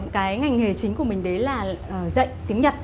cái ngành nghề chính của mình đấy là dạy tiếng nhật